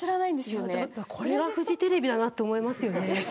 これがフジテレビだなと思いますよね。